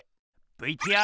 ＶＴＲ。